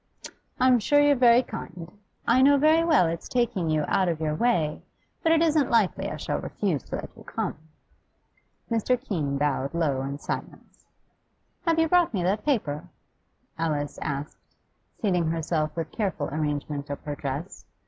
'I'm sure you're very kind. I know very well it's taking you out of your way, but it isn't likely I shall refuse to let you come.' Mr. Keene bowed low in silence. 'Have you brought me that paper?' Alice asked, seating herself with careful arrangement of her dress.